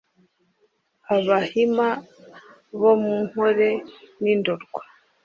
’abahima bo mu nkore n’indorwa